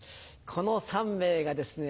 この３名がですね